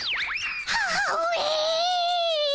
母上。